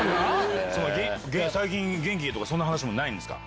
「最近元気？」とかそんな話もないんですか？